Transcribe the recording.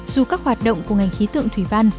dù các hoạt động của ngành khí tượng thủy văn